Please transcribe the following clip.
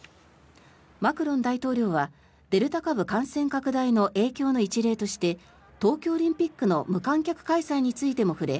マクロン大統領はデルタ型感染拡大の影響の一例として東京オリンピックの無観客開催についても触れ